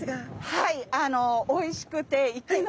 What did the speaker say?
はい。